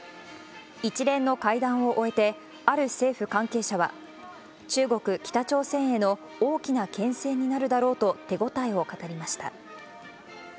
一連の会談を終えて、ある政府関係者は、中国、北朝鮮への大きなけん制なるだろうと、手応えを語りました。